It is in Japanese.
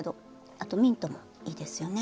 あとミントもいいですよね。